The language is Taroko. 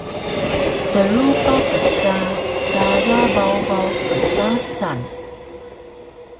Tru patas ka gaga babaw ptasan